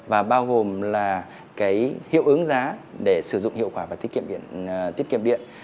và bao gồm là hiệu ứng giá để sử dụng hiệu quả và tiết kiệm điện